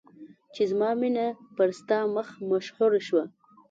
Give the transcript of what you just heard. چې زما مینه پر ستا مخ مشهوره شوه.